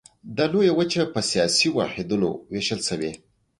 دا لویه وچه په سیاسي واحدونو ویشل شوې.